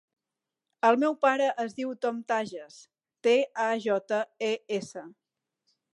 El meu pare es diu Tom Tajes: te, a, jota, e, essa.